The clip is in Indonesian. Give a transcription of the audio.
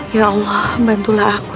ya allah bantulah aku